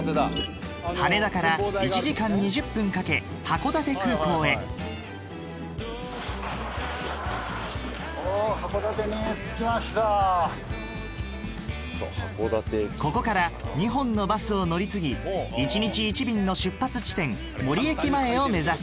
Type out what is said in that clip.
羽田から１時間２０分かけ函館空港へここから２本のバスを乗り継ぎ１日１便の出発地点森駅前を目指す